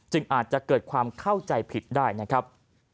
อาจจะเกิดความเข้าใจผิดได้นะครับ